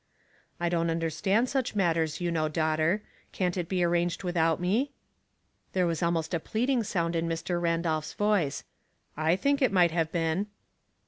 " I don't understand such matters, you know, daughter. Can't it be arranged without me ?" There was almost a pleading sound in Mr. Ran dolph's voice. "/ think it might have been."